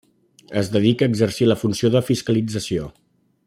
Es dedica a exercir la funció de fiscalització.